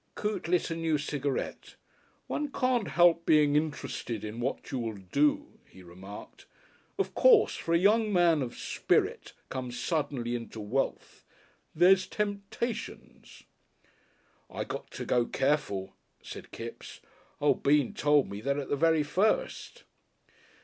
Coote lit a new cigarette. "One can't help being interested in what you will do," he remarked. "Of course for a young man of spirit, come suddenly into wealth there's temptations." "I got to go careful," said Kipps. "O' Bean told me that at the very first."